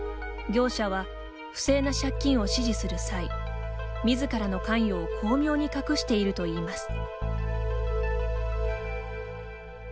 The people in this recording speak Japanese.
業者は、不正な借金を指示する際みずからの関与を巧妙に隠しているといいます。